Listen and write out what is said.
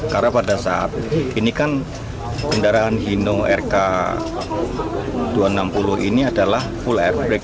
karena pada saat ini kan kendaraan hino rk dua ratus enam puluh ini adalah full air brake